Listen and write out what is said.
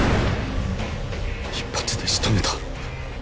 一発で仕留めた。